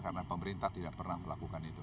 karena pemerintah tidak pernah melakukan itu